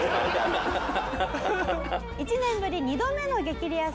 １年ぶり２度目の『激レアさん』